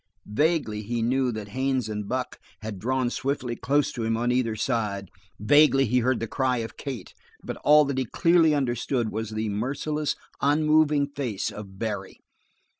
Vaguely he knew that Haines and Buck had drawn swiftly close to him from either side; vaguely he heard the cry of Kate; but all that he clearly understood was the merciless, unmoved face of Barry.